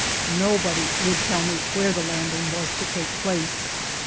Nobody would tell me where the landing was to take place.